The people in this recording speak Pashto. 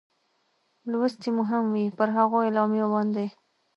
لوستې مو هم وې، پر هغو اعلامیو باندې.